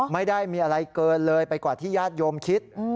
ไม่ได้มีอะไรเกินเลยไปกว่าที่ญาติโยมคิด